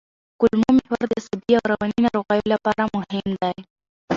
کولمو محور د عصبي او رواني ناروغیو لپاره مهم دی.